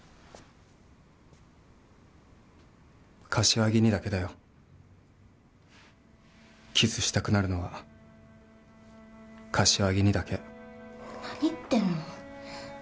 柏木にだけだよキスしたくなるのは柏木にだけ何言ってんの？